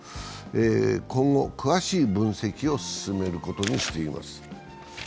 今後、詳しい分析を進めることにしています。